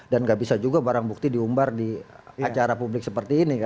dan gak bisa juga barang bukti diumbar di acara publik seperti ini